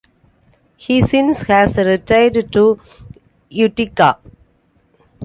He since has retired to Utica.